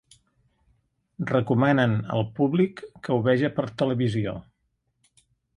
Recomanen al públic que ho veja per televisió.